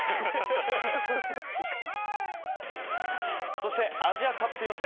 そして、アジアカップ予選。